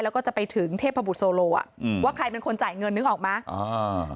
แล้วก็จะไปถึงเทพบุตรโซโลอ่ะอืมว่าใครเป็นคนจ่ายเงินนึกออกไหมอ่า